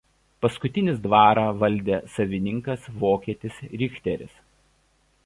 Paskutinis dvarą valdė savininkas vokietis Richteris.